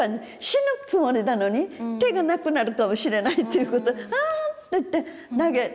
死ぬつもりなのに手がなくなるかもしれないっていうことで「アッ」て言って投げて助かったんです。